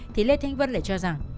thì lê thanh vân lại cho rằng